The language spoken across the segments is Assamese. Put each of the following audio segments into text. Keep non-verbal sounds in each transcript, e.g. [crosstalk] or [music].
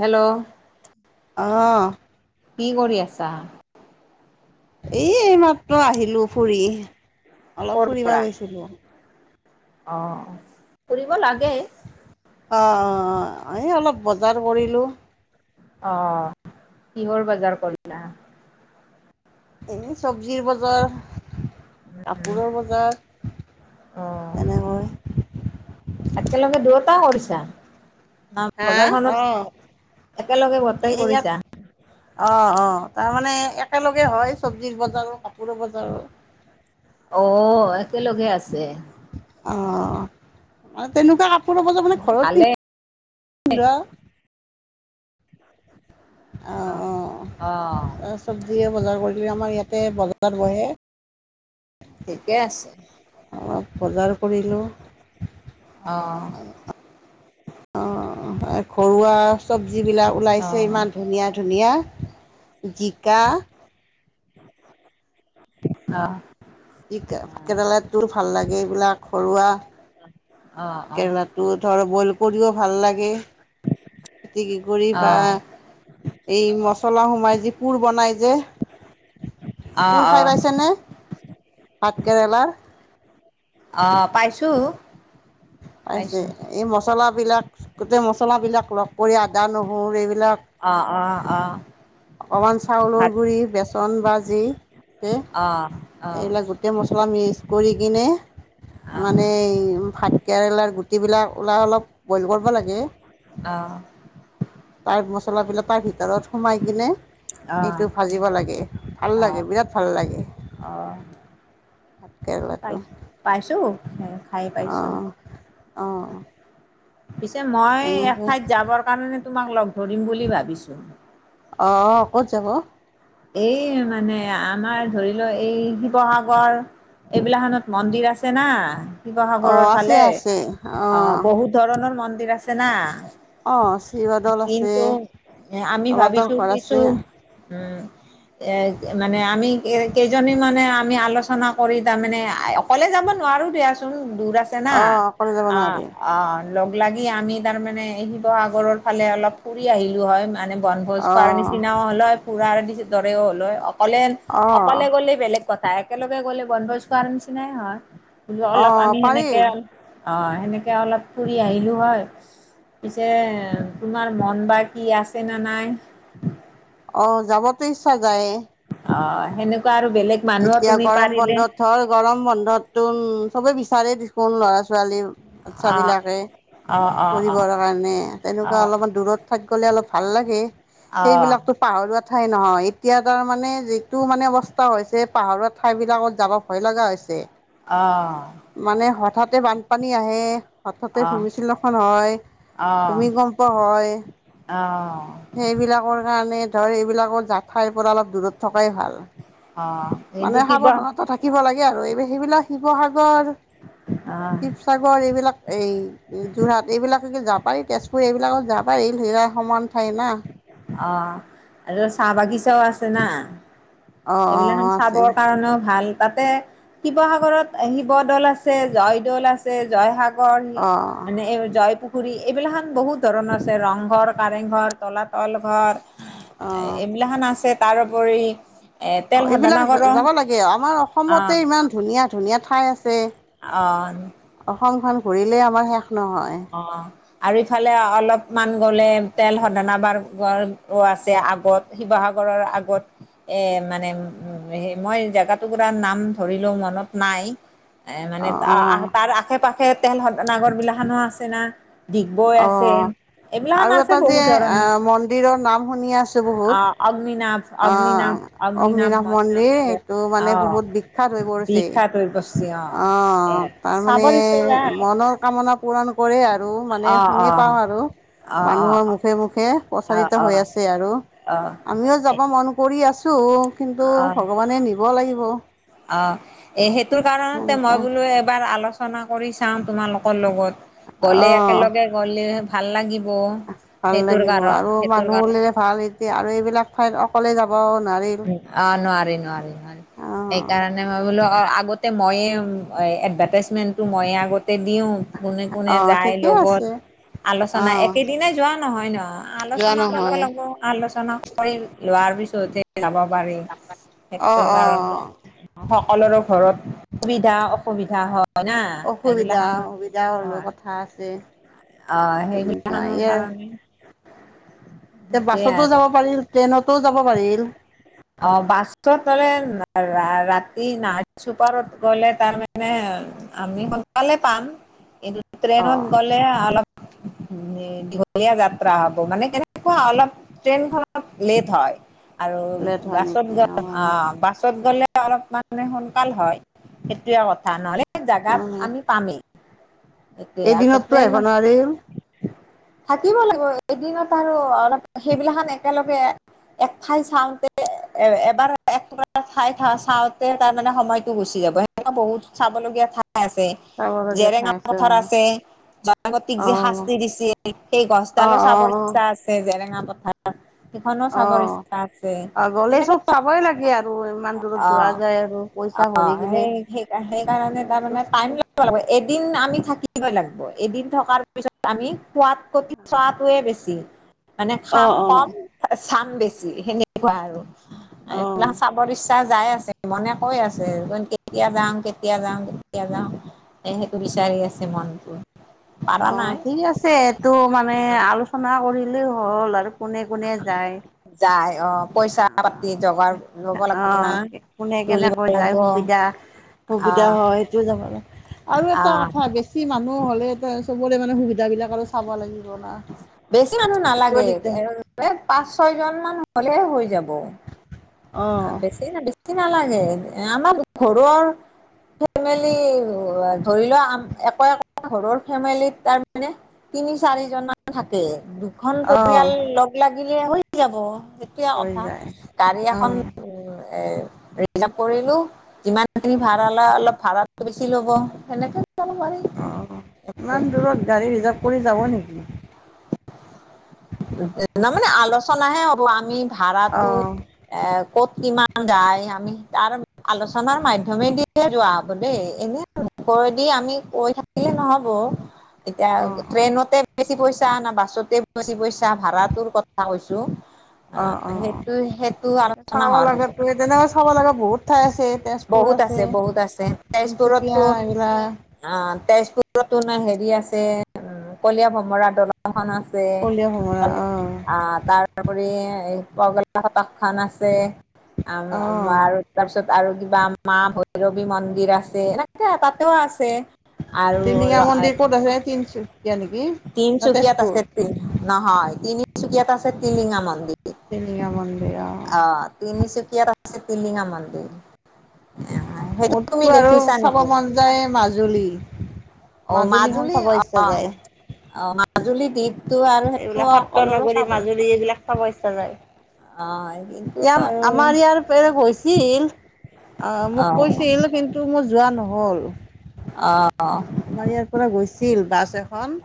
হেল্ল'। অহ। কি কৰি আছা। এই মাত্ৰ আহিলো ফুৰি অলপ ক'ৰ ফুৰিব পৰা? গৈছিলোঁ। অ ফুৰিব লাগে। অ, অ, অ, এই অলপ বজাৰ কৰিলোঁ। অহ কিহৰ বজাৰ কৰিলা? এনেই চব্জিৰ বজাৰ। কাপোৰৰ বজাৰ অ', এনেকৈ। একেলগে দুয়োটা কৰিছা? না হা বজাৰখনত অহ একেলগে গোটেই এই ইয়াত কৰিছা? অহ অহ। তাৰমানে একেলগে হয় চব্জিৰ বজাৰো কাপোৰৰ বজাৰো। অ একেলগে আছে। অ মানে তেনকুৱা কাপোৰৰ বজাৰ মানে ঘৰত ভালেই পিন্ধা। অ অ অ', তাৰ চব্জিয়ে বজাৰ কৰি আমাৰ ইয়াতে বজাৰত বহে। ঠিকে আছে অলপ বজাৰ কৰিলোঁ অ', [inaudible] অ ঘৰুৱা চব্জিবিলাক ওলাইছে অ', ইমান ধুনীয়া ধুনীয়া। জিকা অহ। জিকা কেইদালে তোৰ ভাল লাগে এইবিলাক ঘৰুৱা অ', কেৰেলাটো ধৰ বইল কৰিও ভাল লাগে। পিটিকি কৰি বা এই মছলা সোমাই যি পোৰ বনাই যে। অ', অ', পুৰ খাই অ', পাইছে নে ভাত কেৰেলাৰ? অ পাইছো। পাইছে? এই মচলাবিলাক গোটেই মচলাবিলাক লগ কৰি আদা নহৰু এইবি অ অ অ। অকমান চাউলৰ ভাত গুড়ি, বেচন বা যি দি অ', অ', এইবিলাক গোটেই মছলা মিক্স কৰি কিনে অ', মানে এই ভাত কেৰেলাৰ গুটিবিলাক ওলাই অলপ বইল কৰবা লাগে। অ। তাৰ মচলাবিলাক তাৰ ভিতৰত সোমাই কিনে এইটো ভাজিব লাগে। ভাল লাগে বিৰাট ভাল লাগে। অহ। [inaudible] পাইছো পাইছো, খাই পাইছো। অঁ অঁ। পিছে মই এক তেনেকৈ ঠাইত যাবৰ কাৰণে তোমাক লগ ধৰিম বুলি ভাবিছো। অঁ, ক'ত যাব? এই মানে আমাৰ ধৰি লও এই শিৱসাগৰ এইবিলাখনত মন্দিৰ আছে না। অঁ শিৱসাগৰৰ আছে ফালে, আছে অ অঁ বহুত ধৰণৰ মন্দিৰ আছে না। অঁ শিৱদৌল আছে কিন্তু আমি তলাতল ভাবিছো ঘৰ আছে কিছু, উম। এ মানে আমি কেইজনী মানে আমি আলোচনা কৰি তামানে অকলে যাব নোৱাৰোঁ দিয়াচোন দূৰ আছে না, অঁ অকলে যাব অ নোৱাৰি অ। লগ লাগি আমি তাৰ মানে শিৱসাগৰৰ ফালে অলপ ফুৰি আহিলো হয় মানে বনভোজ খোৱাৰ অঁ নিচিনাও হ'ল হয়, ফুৰাৰ দৰেও হ'ল হয়। হ'লে অঁ অকলে গ'লে বেলেগ কথা একেলগে গ'লে বনভোজ খোৱাৰ নিচিনাই হয়। বোলো অলপ অঁ আমি পাৰি সেনেকে অ সেনেকে অলপ ফুৰি আহিলো হয়। পিছে তোমাৰ মন বা কি আছে নে নাই। অ' যাবতো ইচ্ছা যায়ে। অ' সেনেকুৱা আৰু বেলেগ মানুহো এতিয়া তুমি গৰম পাৰিলে বন্ধত ধৰ গৰম বন্ধতো উম চবে বিচাৰে দেচোন ল'ৰা ছোৱালী বাচ্ছা আহ বিলাকে অ অ অ কৰিবৰ কাৰণে অ অ তেনেকুৱা অলপমান দূৰত থাকি গলে অলপ ভাল লাগে অ সেইবিলাকতো পাহৰুৱাত ঠাই নহয় এতিয়া তাৰ মানে যিটো মানে অৱস্থা হৈছে। যে পাহাৰুৱা থাইবিলাকত যাব ভয় লগা হৈছে। অহ। মানে হঠাতে বানপানী আহে। হঠাতে ভূমিস্খলন হয় অ অ ভূমিকম্প হয়। অ সেইবিলাকৰ কাৰণে ধৰ এইবিলাকৰ জাঠাইৰ পৰা অলপ দূৰত থকাই ভাল। অ মানে এইটো কিবা সাৱধানতা থাকিব লাগে আৰু এই সেইবিলাক শিৱসাগৰ অ অ শিৱসাগৰ এইবিলাক এই যোৰহাট এইবিলাক যাব পাৰি তেজপুৰ এইবিলাকত যাব পাৰি [unintelligible] সমান ঠাই না। অহ আৰু চাহ বাগিচাও আছে না। অ অ এইবিলাখন আছে চাবৰ কাৰণেও ভাল। তাতে শিৱসাগৰত শিৱদৌল আছে জয়দৌল আছে জয়সাগৰ অ মানে এই জয়পুখুৰী এইবিলাখন বহুত ধৰণৰ আছে ৰংঘৰ, কাৰেংঘৰ তলাতল ঘৰ অ এইবিলাখন আছে তাৰোপৰি এ তেল অহ এইবিলাক শোধনাগাৰো যাব লাগে আমাৰ অসমতে ইমান ধুনীয়া ধুনীয়া ঠাই আছে। অহ। সমখন ঘূৰিলেই আমাৰ শেষ নহয়। অ', আৰু ইফালে অলপমান গ'লে তেল শোধনাবাৰ গাৰ বাৰ আছে আগত শিৱসাগৰ কৰাৰ আগত। এ মানে উম মই জোগাটোকুৰা নাম ধৰিলেও মনত নাই। এ মানে অ অ তাৰ আশে পাশে তেলসোধনাগৰ বিলাখানো আছে না। ডিগবৈ অ আছে। এবিলাহন আৰু আছে এটা বহু যে ধৰণৰ মন্দিৰৰ নাম শুনি আছোঁ বহুত আহ অগ্নিনাভ, অগ্নিনাভ অগ্নিনাভ মন্দিৰ আছিলে অহ বিখ্যাত দুই বস্ত অহ তাৰ মানে ইচ্ছা যায় মনৰ কামনা পূৰণ কৰি মোৰে আৰু মানে অ', শুনি পাওঁ অ', আৰু অ', মানুহৰ অ', মুখে মুখে। অ', প্ৰচাৰিত হৈ অ'। আছে আৰু অ', আমিও যাব মন কৰি আছো। কিন্তু ভগৱানে নিব লাগিব। অহ এ সেইটোৰ কাৰণতে সেনেকুৱা মই বোলো এবাৰ আলোচনা কৰি চাম তোমালোকৰ লগত। গলে অ', একেলগে গলে ভাল লাগিব। ভাল সেইটোৰ লাগিব কাৰণ আৰু সেইটোৰ মানুহ হলে কাৰণে। ভাল এতিয়া আৰু এইবিলাক ঠাইত অক অহ নোৱাৰি নোৱাৰি নোৱাৰি অ', সেইকাৰণে মই বোলো আগত তে ময়ে এডভাৰ্টাইজমেণ্টটো ময়ে আগত তে দিওঁ কোনে কোনে অ', যায় ঠিকেই লগত। আছে আলোচনা অ', একেদিনাই যোৱা নহয় ন যোৱা আলোচনা কৰিব নহয় লাগিব আলোচনা কৰি লোৱাৰ পিছত হে যাব পাৰি অ', সেইটোৰ অ', কাৰণে সকলোৰো ঘৰত সুবিধা অসুবিধা হয় না অসুবিধা এইগিলাখান অ, সুবিধা হ'লেও কথা আছে তেনেকুৱা সেইগিলাখনৰ কাৰণে এতিয়া সেইটোৱে বাছতো আৰু যাব পাৰিল ট্ৰেইনতো যাব পাৰিল। অহ বাছত [unintelligible] ৰাতি নাইত চুপাৰত গলে তাৰমানে আমি সোনকালে পাম কিন্তু অ ট্ৰেইনত গ'লে অলপ দীঘলীয়া যাত্ৰা হব মানে কেনেক অ' অলপ ট্ৰেইনখন অলপ লেট হয়। আৰু লেট হয় নেকি বাছত অ [unintelligible] অহ বাছত গ'লে অলপ মানে সোনকাল হয় সেইটোয়ে কথা নহলে অ জেগাত আমি পামেই। সেইটোৱে আৰু এদিনততো আহিব ট্ৰেইনৰ নোৱাৰিল থাকিব লাগিব এদিনত আৰু অলপ সেইবিলাখন একেলগে‌ এক ঠাই চাওঁতে এবাৰে এক ঠাই চাওঁতে তাৰ মানে সময়টো গুচি যাব সেনেকা বহুতো চাব লগীয়া ঠাই আছে। চাবলগীয়া ঠাই জেৰেঙা অ পথাৰ আছে। জয়মতী অ যে শাস্তি দিছিল সেই অ গছডালো অ চাবৰ ইচ্ছা আছে জেৰেঙা পথাৰ, সেইখনো অ অ চাব ইচ্ছা আছে গ'লে এনেকে চব চাবই লাগে আৰু ইমান দূৰত অ যোৱা যায় আৰু পইচা ভৰি কিনে। সেই কাৰণে, সেই কাৰণে, তাৰ মানে পানী [unintelligible] এদিন আমি থাকি। থাকিব লাগিব, এদিন থকাৰ পিছত আমি খোৱাত কটি চোৱাতোৱে বেছি। মানে অ খাম অ কম, চাম বেছি, সেনেকুৱা আৰু। অ এইবিলাক চাবৰ ইচ্ছা। যাই আছে মনে কৈ আছে কেতিয়া যাওঁ কেতিয়া যাওঁ কেতিয়া যাওঁ সেইটো বিচাৰি আছে মনটো। পাৰা অ নাই ঠিক আছেটো মানে আলোচনা কৰিলে হল আৰু কোনে কোনে যায়। যাই অ পইচা পাতি আহ জগাৰ আ ল'ব লাগিব আহ না কোনে তুলিব কেনেকৈ যায় লাগিব সুবিধা। সুবিধা আহ হয়, সেইটো যামালা আৰু এটা আহ কথা বেছি মানুহ হ'লে এ তাৰ পিছত গ'লে মানে সুবিধাাবিলাক আৰু চাব লাগে। বেছি মানুহ নালাগে। এনে পাঁচ, ছয়জন মান। হ'লে হৈ যাব। অঁ বেছি ন বেছি নালাগে। এই আমাৰ ঘৰৰ। ফেমেলি ধৰি লোৱা এক এক ঘৰৰ ফেমেলি তাৰ মানে তিনি, চাৰিজন মান থাকে। দুখন অঁ পৰিয়াল লগ লাগিলে হৈ যাব সেইটোয়ে হৈ কথা যায় গাড়ী অঁ এখন এ ৰিজাৰ্ভ কৰিলোঁ, যিমান খিনি ভাড়া লয়, অলপ ভাড়া বেছি ল'ব সেনেকে। যাব পাৰি। অ' ইমান দূৰত গাড়ী ৰিজাৰ্ভ কৰি যাব নেকি? তাৰ মানে আলোচনাহে হ'ব আমি ভাড়াটো অঁ এ ক'ত কিমান যায়, আমি তাৰ আলোচনাৰ মাধ্যমেৰে দিয়ে যোৱা অ'ক দেই এনে ওপৰেদি দি আমি কৈ থাকিলে নহ'ব, এতিয়া অঁ অঁ ট্ৰেইনতে বেছি পইচা। [unintelligible] না বাছতে বেছি পইচা, ভাড়াটোৰ কথা কৈছো। অঁ অ' অঁ সেইটো সেইটো আৰু। চাব লাগাটো, এ তেনেকৈ চাব লগা বহুত থাকে। বহুত আছে, বহুত আছে, তিনিচুকীয়া তেজপুৰতো এইবিলাক অ' তেজপুৰ তো, হেৰি আছে। উম, কলিয়া ভমৰা দলংখন আছে। কলীয়া ভোমোৰা আছে। অঁ আহ তাৰোপৰি পগলা ফতক খন আছে। অঁ আৰু তাৰপিছত আৰু কিবা মা ভৈৰৱী মন্দিৰ আছে, এনেকে তাতেও আছে। আৰু টিলিঙা মন্দিৰ ক'ত আছে? তিনচু তিনিচুকীয়াত আছে, নহয় তিনি তিনিচুকীয়াত আছে টিলিঙা মন্দিৰ টিলিঙা মন্দিৰ অ' তিনিচুকীয়া। ইয়াত আছে টিলিঙা মন্দিৰ। সেইটো তুমি মোৰটো আৰু দেখিছা চাব নেকি? মন যায় মাজুলী। অ' মাজুলীখন মাজুলী চাব ইচ্ছা অ' যায় অ' মাজুলী দ্বীপ। এইবিলাক সত্ৰ নগৰী মাজুলী এইবিলাক চাব ইচ্ছা যায়। অ কিন্তু আৰু ইয়াৰ আমাৰ ইয়াৰ [unintelligible] গৈছিল। আহ অ মোক কৈছিল, কিন্তু মোৰ যোৱা নহ'ল। অ আমাৰ ইয়াৰ পৰা গৈছিল বাছ এখন।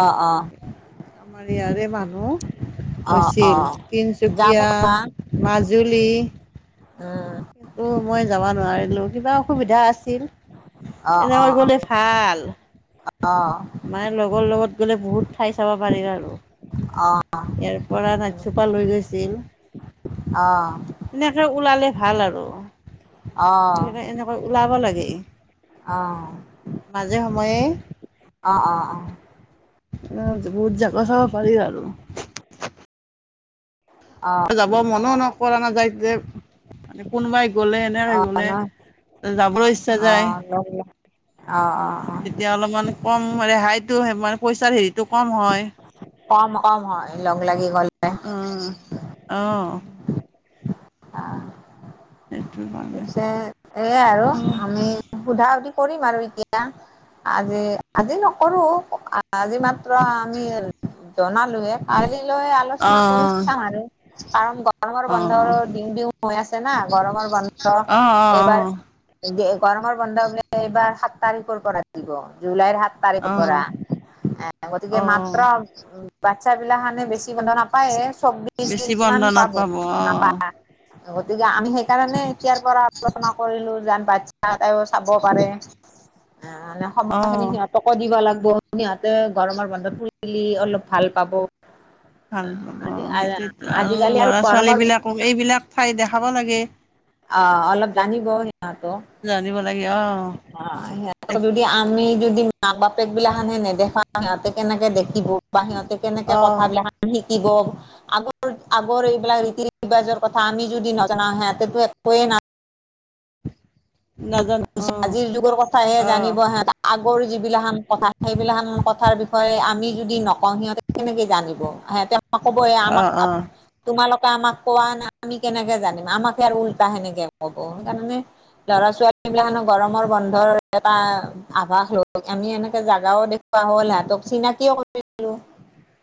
অ অ আমাৰ ইয়াৰে মানুহ অ অ গৈছিল, তিনচু যাব কীয়া, পাৰা উম মাজুলী। উম। অ' মই যাব নোৱাৰিলো। কিবা অসুবিধা আছ অ অ অ এনেকৈ গ'লে ভাল। অ অ মায়ে লগৰ লগত গ'লে বহুত ঠাই চাব পাৰি আৰু। অ অ ইয়াৰ পৰা নাইট চোপাৰ লৈ গৈছিল। অ এনেকে ওলালে ভাল আৰু এইবিলাক এনেকৈ ওলাব লাগে অঁ মাজে সময়ে অ অ অ বহুত জাগা চাব পাৰি আৰু যাব মনো ন কৰা নাযায় যে কোনোবাই গলে এনে অ' গলে নহয় যাবলৈ ইচ্ছা অ যায় লগ অ অ অ তেতিয়া অলপমান কম ৰেহাইতটো মানে পইচাৰ হেৰিটো কম হয় কম কম হয় লগ লাগি গলে অঁ অঁ আহ সেইটো কাৰণে পিছে এইয়াই আৰু অঁ আমি সোধা সুধি কৰিম আৰু এতিয়া আজি আজি নকৰো আজি মাত আমি জনালোয়ে কালিলৈ আলোচনা কৰি চাম আৰু কাৰণ গৰমৰ অঁ বন্ধ অঁ দিওঁ দিওঁ হৈ আছে না গৰমৰ বন্ধ অ অ এইবাৰ অ অ গৰমৰ বন্ধ বোলে এইবাৰ সাত তাৰিখৰ পৰা দিব জুলাইৰ সাত তাৰিখ পৰা অ', অ', গতিকে মাত্ৰ অ', বা বাটচা বিলাকখানে বেছি বন্ধ নাপায় চৌববিশ দিন বেছি মান বন্ধ পাব নাপাব অ', নাপায় গতিকে আমি সেইকাৰণে না কৰিলো যান বাচ্ছা এটাই ও চাব পাৰে মানে সময় খিনি অ', সিহঁত ক দিব লাগিব সিহঁতে গৰমৰ বন্ধত ফুইলি অলপ ভাল পাব ভাল পাব সেইটোৱেই টো আৰু আজিকালি ল'ৰা ছোৱালী গৰমৰ বিলাকক এইবিলাক ঠাই দেখাব লাগে অ অলপ জানিব সিহঁতো জানিব লাগে অ সেই যদি আমি যদি মাক বাপেক বিলাকখানহে নেদেখা সিহঁতে কেনেকে দেখিব বা সিহতে কেনেকে অ', কথাবিলাকখন শুনি দিব আগৰ আগৰ এইবিলাক ৰীতি ৰিবাজৰ কথা আমি যদি নজনাং হিহঁতেতো একোৱে নাই নাজানো অ', আজিৰ যুগৰ কথাাশহে অ', জানিব সিহতে আগ ৰ যিবিলাকহান কথা সেইবিলাহান কথাৰ বিষয়ে আমি যদি নকওঁ সিহঁতে কেনেকে জানিব অ এতিয়া ই কব এ আমাক অ', অ'। তোমালোক আমাক কোৱা নাই আমি কেনেকে জানিম আমাকে আৰু উল্টা সেনেকে কব সেইকাৰণে ল'ৰা ছোৱালী সেইবিলাকো গৰমৰ বন্ধৰ এটা আভাস ল আমি এনেকে জাগাও দেখুওা হল সিহঁত চিনাকি অ কৰিদিলো